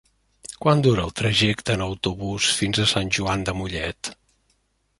Quant dura el trajecte en autobús fins a Sant Joan de Mollet?